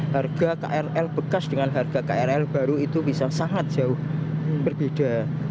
harga krl bekas dengan harga krl baru itu bisa sangat jauh berbeda